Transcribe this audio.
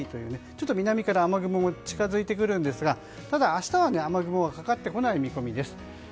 ちょっと南から雨雲も近づいてくるんですがただ、明日は雨雲はかかってこない見込みです。